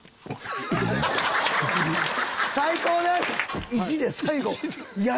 最高です！